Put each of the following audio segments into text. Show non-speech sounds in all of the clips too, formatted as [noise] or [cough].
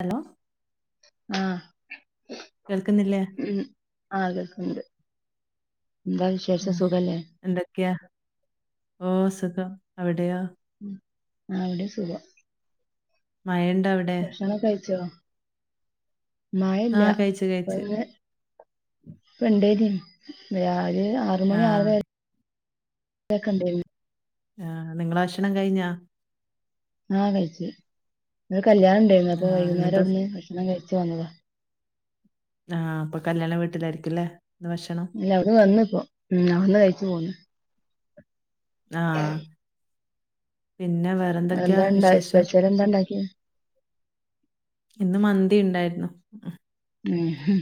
Hello ആഹ് കേൾക്കുന്നില്ലേ ഉം ആഹ് കേക്ക്ണ്ട് എന്താ ആ വിശേഷം സുഖല്ലേ? എന്തൊക്കെയാ ഓഹ് സുഖം അവിടെയോ? ഉം ഔടിം സുഖം. മയെണ്ടോ അവി ഭക്ഷണൊക്കെഴ്‌ച്ചോ ആ മഴല്ല കഴിച്ചു കഴിച്ചു അപ്പന്ന്. ഇപ്പണ്ടെനി വ് ഒര് ആ ആറുമണി ആറെര ക്കെണ്ടെയ്നി ആഹ് നിങ്ങളെ ഭക്ഷണം കഴ്ഞ്ഞോ? ആഹ് കഴ്ച്ച് ന്ന് കല്യാണം ഇണ്ടയ്നു ആ അപ്പൊ വൈകുന്നേരം ഇന്നെന്താ ഔട്ന്ന് ഭക്ഷണം കഴ്ച്ചു വന്നത. ആഹ് ഇപ്പൊ കല്യാണ വീട്ടിലായിരിക്കില്ലേ ഇന്ന് ഭക്ഷണം? ഇല്ല അവര് വന്ന്പ്പോ ഉം ഔട്ന്ന് കഴ്ച്ചു പോന്നു. ആഹ് പിന്നെ വേ അഹെന്തണ്ട സ്പെഷല് എന്താണ്ടാക്കിയെ? ഇന്ന് മന്തി ഇണ്ടായിര്ന്നു. ഉം ഉം ഹ്മ്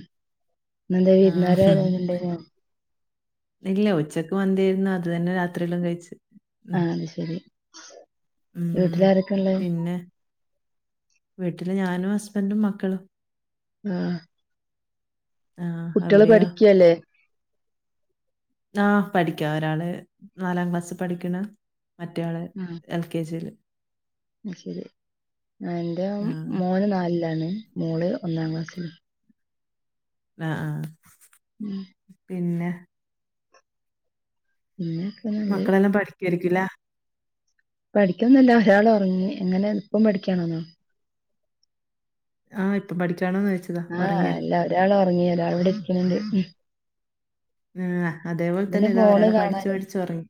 ഇന്നെന്തേ ആ വിരുന്നാര് വെരാണ്ടയ്നോ? ഇല്ല ഉച്ചക്ക് മന്തിയായിരുന്നു അത് തന്നെ രാത്രിയിലും കഴ്ച്ചു. ആഹ് അത് ശെരി ഉം. വീട്ടിലാരൊക്കെ ഇള്ളേ? പിന്നെ വീട്ടില് ഞാനും ഹസ്ബെന്റും മക്കളും. ആഹ് ആ കുട്ടിയാള് അവിടെയോ പഠിക്കല്ലേ? ആഹ് പഠിക്കാ ഒരാള് നാലാം ക്ലാസ് പഠിക്ക്ണ് മറ്റെയാള് ഉം എൽ കെ ജില് അശെരി എഇന്റെ ആ മോന് നാലിലാണ് മോള് ഒന്നാം ക്ലാസ്സിൽ. അഹ്, ആഹ് ഉം പിന്നെ പിന്നെ മക്കളെല്ലാം പഠിക്കായിരിക്കുലെ? പഠിക്കുന്നല്ല ഒരാൾ ഒർങ്ങി എങ്ങനെ ഇപ്പം പഠിക്കണെന്നോ? ആഹ്പ്പൊ പഠിക്കണോന്ന ചോയ്ച്ചെ? ആഹ് അല്ല ഒരാൾ ഒർങ്ങി ഒരാള് ഇവടെ ഇരിക്ക്ണ് ഇണ്ട്. ഉം ഇതിന് അതേപോലെതെന്നെ ഇതാ ഫോണ് ഒരാള് പഠിച്ച്, കാണാന് പഠിച്ച് ഒർങ്ങി.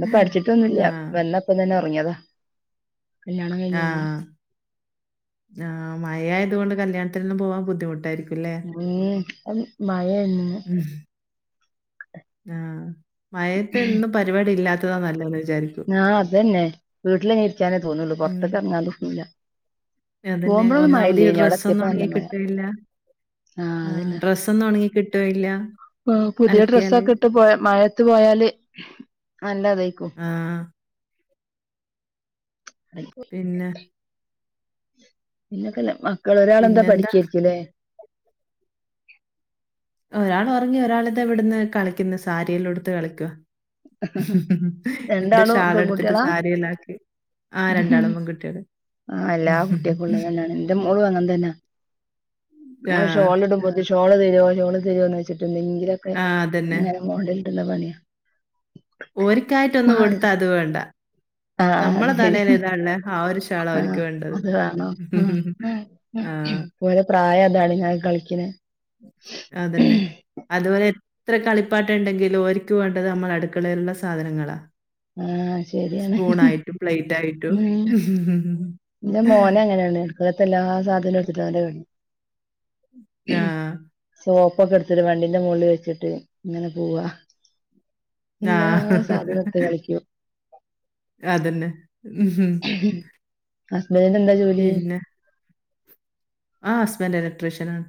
ത് പഠിച്ചിട്ടൊന്നുല്ല വെല്ലെ അപ്പൊതെന്നെ ഒറങ്ങിയതാ. ആഹ് ആഹ് മഴയതോണ്ട് കല്യാണത്തിനൊന്നും പോവാൻ ബുദ്ധിമുട്ടായിരിക്കും. അല്ലേ ഉം അയ്ന് മഴന്ന് ആഹ് മയത്തെന്നും പരിപാടി ഇല്ലാത്തതാ ന്നല്ലന്ന് വിജാരിക്കു ആഹ് അതന്നെ വീട്ടിലിങ്ങനെ ഇരിക്കാനെ തോന്നുള്ളൂ ഉം. പൊർത്ത്ക്ക് എറങ്ങാൻ തോന്നൂല. അതന്നെ പോകുമ്പോഴൊന്നും ഒന്നാമത് ഈ മഴയില്ലേനി അവിടെ ഡ്രസ്സൊന്നും എത്തിയപ്പോ നല്ല ഒണങ്ങി മഴ കിട്ടണില്ല ആഹ് ഡ്രസ്സ് ഒന്നും ഒണങ്ങി കിട്ടുവേം ഇല്ല ഉം പുതിയ ഡ്രസ്സൊക്കെ ഇട്ട് പോയാ മഴയത്ത് പോയാല് നല്ലതേക്കും ആ. പിന്നെ പിന്നെക്കെല്ലേ മക്കള് ഒരാളെന്താ പിന്നെന്താ പഠിക്കായിരിക്കുലേ? ഒരാള് ഒറങ്ങി ഒരാളിതാ ഇവിടുന്ന് കളിക്കുന്നു സാരിയെല്ലാം ഉടുത്ത് കളിക്കുവാ എന്റെ രണ്ടാളും ഷാള് എടുത്തിട്ട് പെൺകുട്ടികളാ സാരിയെല്ലാം ആക്കി ആഹ് എല്ലാ കുട്ടിയക്കും ഉള്ളത് തന്നാണ് ഇന്റെ മോളും അങ്ങനെ തന്നാ ആ. ഇങ്ങൾ ഷോള് ഇട്മ്പോ ഷോള് തരുവോ ഷോള് തരുവോ എന്ന് ചോദിച്ചിട്ട് എന്തെങ്കിലൊക്കെ ആ അതന്നെ. ഇങ്ങനെ മോഡലിടുന്ന പണിയാ. ഓര്ക്കായ്ട്ടൊന്ന് മാറ് കൊട്ത്ത അത് വേണ്ട. ആഹ് അത് നമ്മളെ ശരി [unintelligible] ആഹ് വേണ്ടത്. അത് കാണോ മ്ഹ് മ്ഹ് ആ. മ്ഹ് ഓര പ്രായം അതാണ് ഞാൻ കളിക്കണ് അതന്നെ അതു പോലെ എത്ര കളിപ്പാട്ടണ്ടെങ്കിലും ഓരിക്കു വേണ്ടത് നമ്മള അടുക്കളേലുള്ള സാധനങ്ങളാ ആഹ് ശരിയാണ് സ്പൂണായിട്ടും പ്ലേറ്റായിട്ടും. മ്ഹ് എന്റെ മോന് അങ്ങനാണ് അടുക്കളത്തെ എല്ലാ സാധനോം എടുത്തിട്ട അവന്റെ കളി ആഹ് സോപ്പൊക്കെ എടുത്തിട്ട് വണ്ടീന്റെ മൊകളിൽ വെച്ചിട്ട് ഇങ്ങനെ പോവാ എല്ലാ ആഹ്. സാധനോം എട്ത്ത് കളിക്കും ആഹ് അതന്നെ ഹസ്ബൻഡിന് എന്താ ജോലി പിന്നെ ആഹ് ഹസ്ബൻഡ് ഇലക്ട്രീഷ്യനാണ്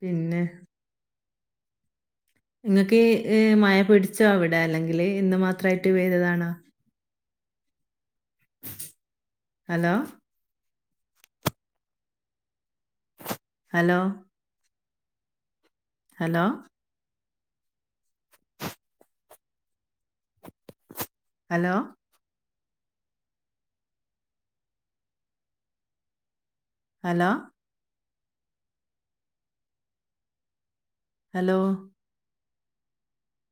പിന്നെ ഇങ്ങക്ക് ഈ ഇഹ് മഴ പിടിച്ചോ അവിടെ അല്ലെങ്കില് ഇന്ന് മാത്രായിട്ട് പെയ്തതാണോ hello hello hello hello hello hello